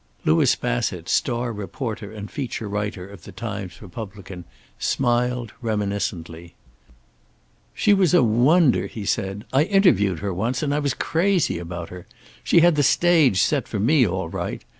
Louis Bassett, star reporter and feature writer of the Times Republican, smiled reminiscently. "She was a wonder," he said. "I interviewed her once, and I was crazy about her. She had the stage set for me, all right.